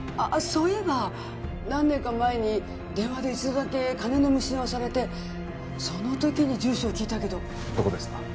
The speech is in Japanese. そういえば何年か前に電話で一度だけ金の無心をされてその時に住所を聞いたけどどこですか？